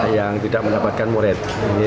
yang tidak mendapatkan murid